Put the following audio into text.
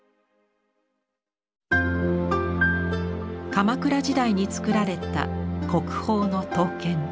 鎌倉時代に作られた国宝の刀剣。